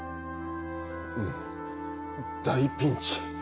うん大ピンチ。